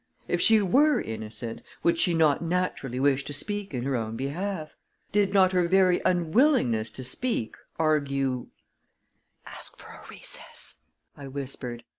If she were innocent, would she not naturally wish to speak in her own behalf? Did not her very unwillingness to speak argue "Ask for a recess," I whispered.